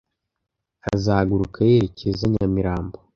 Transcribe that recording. azahaguruka yerekeza i nyamirambo